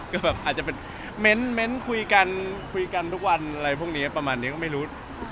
ก็แบบอาจจะเป็นเม้นคุยกันคุยกันทุกวันอะไรพวกนี้ประมาณนี้ก็ไม่รู้